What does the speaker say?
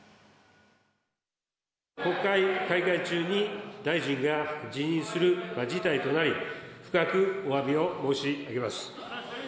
国会開会中に大臣が辞任する事態となり、深くおわびを申し上げます。